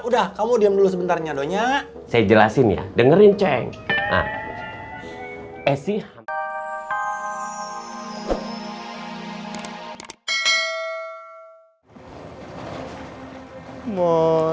sampai jumpa di video selanjutnya